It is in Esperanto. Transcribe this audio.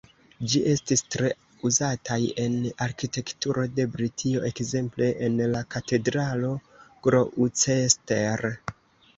Ĝi estis tre uzataj en arkitekturo de Britio, ekzemple en la Katedralo Gloucester.